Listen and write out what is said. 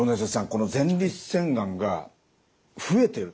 この前立腺がんが増えてる。